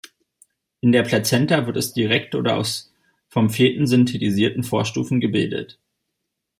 In der Plazenta wird es direkt oder aus vom Feten synthetisierten Vorstufen gebildet.